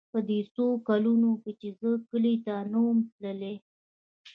په دې څو کلونو چې زه کلي ته نه وم تللى.